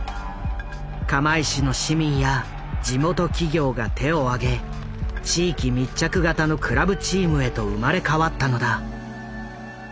釜石の市民や地元企業が手を上げ地域密着型のクラブチームへと生まれ変わったのだ。